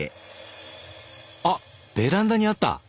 あっベランダにあった！